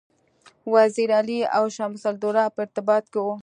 وزیر علي او شمس الدوله په ارتباط کې وه.